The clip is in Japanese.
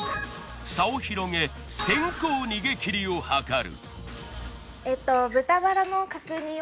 差を広げ先行逃げ切りを図る。